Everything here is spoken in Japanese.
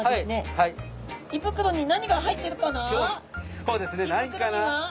そうですね。何かな？